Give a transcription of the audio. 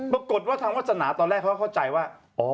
ปรากฏว่าทางวาสนาตอนแรกเขาเข้าใจว่า